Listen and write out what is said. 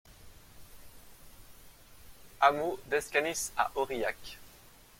Hameau d'Escanis à Aurillac